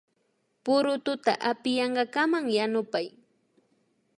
Purututa apiyankakaman yanupay